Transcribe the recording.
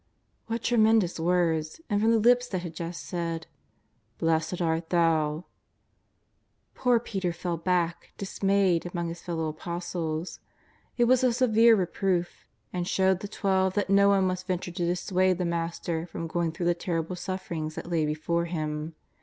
What tremendous words ! and from the lips that had just said :^' Blessed art thou.'' Poor Peter fell back, dismayed, among his fellow Apostles. It was a severe reproof, and showed the Twelve that no one must ven ture to dissuade the Master from going through the terrible sufferings that lay before Him.